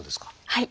はい。